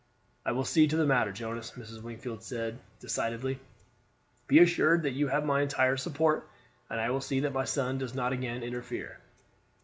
"I will see to the matter, Jonas," Mrs. Wingfield said decidedly. "Be assured that you have my entire support, and I will see that my son does not again interfere."